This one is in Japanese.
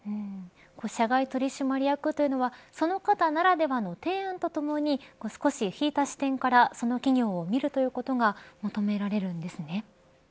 社外取締役というのはその方ならではの提案とともに少し引いた視点からその企業を見るということが求められるんですね。